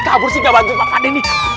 kabur sih nggak bantu pak dini